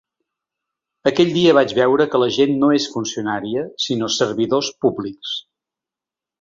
Aquell dia vaig veure que la gent no és funcionària, sinó servidors públics.